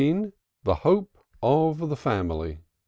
THE HOPE OF THE FAMILY.